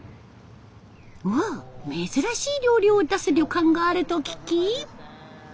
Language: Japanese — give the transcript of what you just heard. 珍しい料理を出す旅館があると聞き。